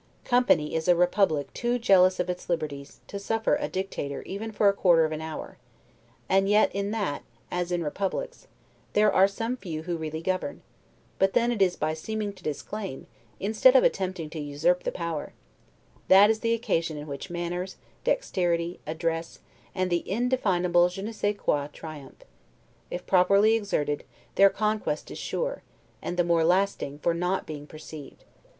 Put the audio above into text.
Company is a republic too jealous of its liberties, to suffer a dictator even for a quarter of an hour; and yet in that, as in republics, there are some few who really govern; but then it is by seeming to disclaim, instead of attempting to usurp the power; that is the occasion in which manners, dexterity, address, and the undefinable 'je ne sais quoi' triumph; if properly exerted, their conquest is sure, and the more lasting for not being perceived.